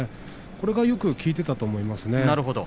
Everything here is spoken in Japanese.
これがよく効いていたと思います。